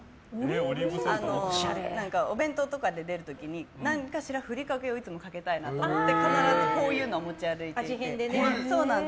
お弁当とかで出る時に何かしらふりかけをいつもかけたいなと思って必ずこういうのを持ち歩いてます。